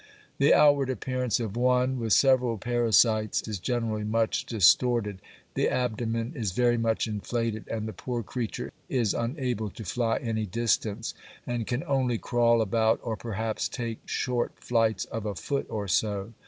The outward appearance of one with several parasites is generally much distorted; the abdomen is very much inflated, and the poor creature is unable to fly any distance, and can only crawl about, or perhaps take short flights of a foot or so.